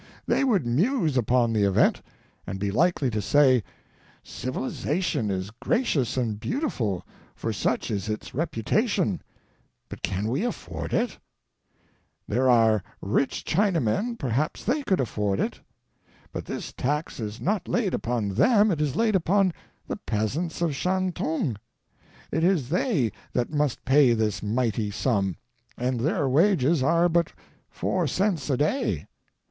They would muse upon the event, and be likely to say : "Civilization is gracious and beautiful, for such is its repu tation ; but can we afford it ? There are rich Chinamen, perhaps they could afford it ; but this tax is not laid upon them, it is laid upon the peasants of Shantung; it is they that must pay this mighty sum, and their wages are but four cents a day.